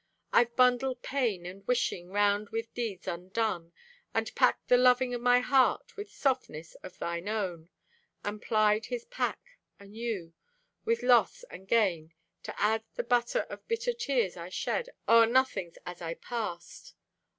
I've bundled pain and wishing 'Round with deeds undone, And packed the loving o' my heart With softness of thine own; And plied his pack anew With loss and gain, to add The cup of bitter tears I shed O'er nothings as I passed.